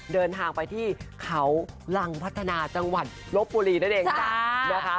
เดินทางไปที่เขารังพัฒนาจังหวัดลบบุรีนั่นเองค่ะนะคะ